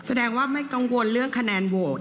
แสดงว่าไม่กังวลเรื่องคะแนนโหวต